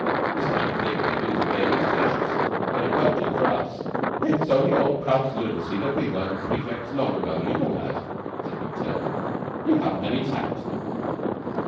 This kind of thing may do for Davies Tertius, but it won't do for us." "It's only old Prout's lunacy that we weren't prefects long ago. You know that," said McTurk. "You haven't any tact."